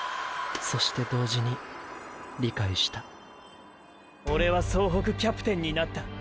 そして同時に「理解」したオレは総北キャプテンになった。